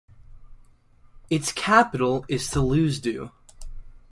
Its capital is Thulusdhoo.